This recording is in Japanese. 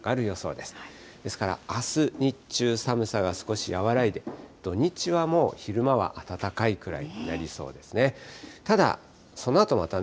ですから、あす日中、寒さが少し和らいで、土日はもう昼間は暖かいくらいになりそうですね。